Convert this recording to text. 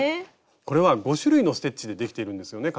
これは５種類のステッチでできているんですよね？